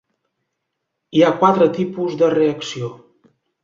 Hi ha quatre tipus de reacció.